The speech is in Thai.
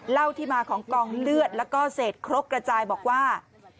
เล่าที่มาของกองเลือดแล้วก็เศษครกกระจายบอกว่า